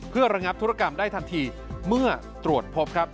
เพื่อระงับธุรกรรมได้ทันทีเมื่อตรวจพบครับ